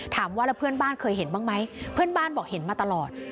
ถามว่าแล้วเพื่อนบ้านเคยเห็นบ้างไหมเพื่อนบ้านบอกเห็นมาตลอด